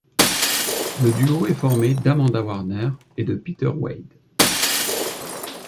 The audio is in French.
Le duo est formé d'Amanda Warner et de Peter Wade.